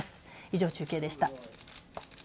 以上、中継でした。